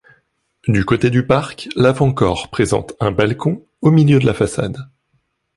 Du côté du parc, l'avant-corps présente un balcon au milieu de la façade.